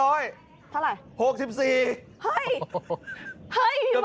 เฮ้ยมีเมื่อ